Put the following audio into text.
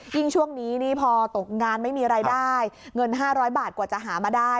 ช่วงนี้นี่พอตกงานไม่มีรายได้เงิน๕๐๐บาทกว่าจะหามาได้